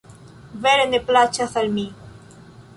Vere ne plaĉas al mi